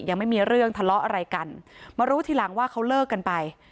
ยังไม่มีเรื่องทะเลาะอะไรกันมารู้ทีหลังว่าเขาเลิกกันไป